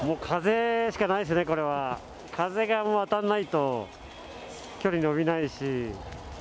風しかないですね、これは風が当たらないと距離伸びないですし。